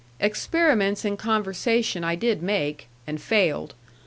Experiments in conversation I did make and failed.